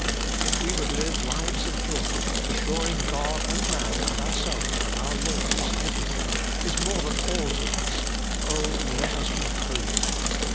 If we would live lives of joy, assuring God and man and ourselves that our Lord is everything, is more than all to us, oh, let us be holy